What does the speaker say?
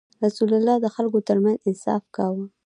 رسول الله ﷺ د خلکو ترمنځ انصاف کاوه.